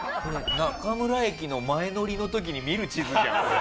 中村駅の前乗りの時に見る地図じゃんこれ。